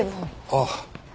ああ。